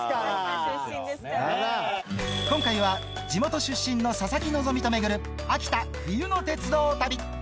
今回は地元出身の佐々木希と巡る、秋田冬の鉄道旅。